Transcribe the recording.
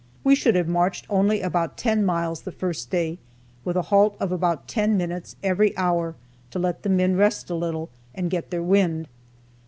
We should have marched only about ten miles the first day, with a halt of about ten minutes every hour, to let the men rest a little, and get their wind.